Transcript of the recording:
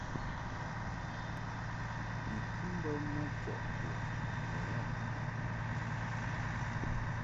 Bo kɨ mbə majɔʼ bun mɛ o.